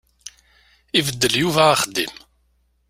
Ibeddel Yuba axeddim.